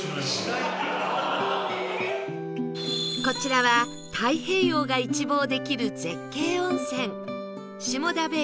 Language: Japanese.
こちらは太平洋が一望できる絶景温泉下田